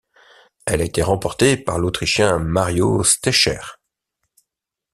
Elle a été remportée par l'Autrichien Mario Stecher.